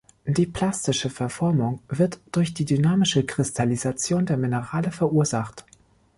Die plastische Verformung wird durch die dynamische Kristallisation der Minerale verursacht.